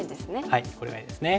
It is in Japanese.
はいこれがＡですね。